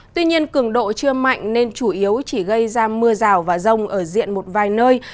tuy nhiên cường độ chưa mạnh nên chủ yếu chỉ gây ra mưa rào và rông ở diện một vài nơi